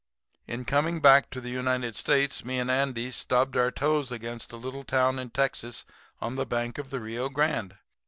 "In coming back to the United States me and Andy stubbed our toes against a little town in Texas on the bank of the Rio Grande.